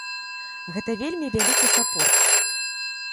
Гэта вельмі вялікі сапорт.